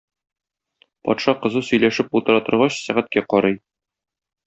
Патша кызы сөйләшеп утыра торгач сәгатькә карый.